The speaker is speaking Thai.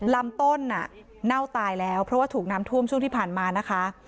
ลำต้นเน่าตายแล้วเพราะว่าถูกน้ำท่วมช่วงที่ผ่านมานะคะ